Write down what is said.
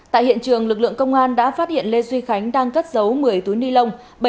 tại hiện trường lực lượng công an đã phát hiện lê duy khánh đang cất giấu một mươi túi ni lông